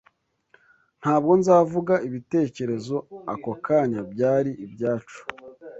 Ntabwo nzavuga Ibitekerezo ako kanya byari ibyacu,